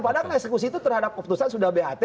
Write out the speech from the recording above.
padahal eksekusi itu terhadap keputusan sudah bat